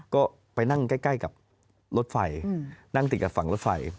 ก็ไปนั่งใกล้กับรถไฟนั่งติดกับฝั่งรถไฟ